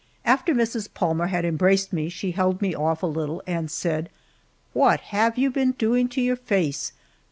After Mrs. Palmer had embraced me she held me off a little and said: "What have you been doing to your face?